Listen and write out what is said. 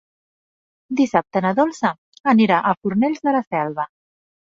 Dissabte na Dolça anirà a Fornells de la Selva.